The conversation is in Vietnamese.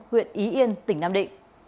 huyện ý yên tỉnh nam định